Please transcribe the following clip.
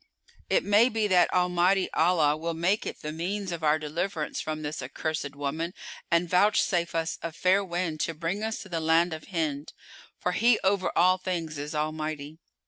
It may be that Almighty Allah will make it the means of our deliverance from this accursed woman and vouchsafe us a fair wind to bring us to the land of Hind, for He over all things is Almighty!"